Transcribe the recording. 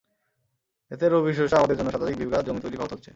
এতে রবি শস্য আবাদের জন্য শতাধিক বিঘা জমি তৈরি ব্যাহত হচ্ছে।